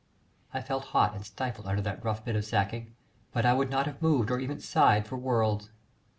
I felt hot and stifled under that rough bit of sacking, but I would not have moved or even sighed for worlds.